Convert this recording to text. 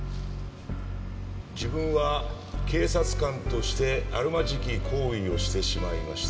「自分は警察官としてあるまじき行為をしてしまいました」